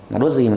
mày đừng tìm mẹ